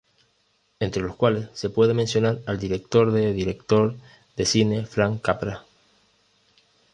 Entre los cuales se puede mencionar al director de director de cine Frank Capra.